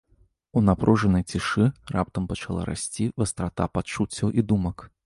У напружанай цішы раптам пачала расці вастрата пачуццяў і думак.